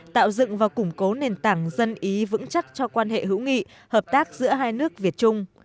tạo dựng và củng cố nền tảng dân ý vững chắc cho quan hệ hữu nghị hợp tác giữa hai nước việt trung